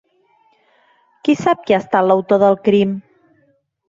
Qui sap qui ha estat l'autor del crim?